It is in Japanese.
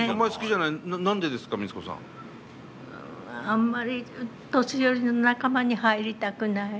あんまり年寄りの仲間に入りたくない。